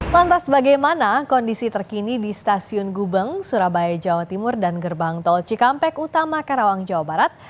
lantas bagaimana kondisi terkini di stasiun gubeng surabaya jawa timur dan gerbang tol cikampek utama karawang jawa barat